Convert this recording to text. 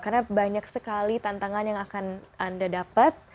karena banyak sekali tantangan yang akan anda dapat